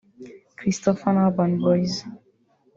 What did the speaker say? Christopher na Urban Boyz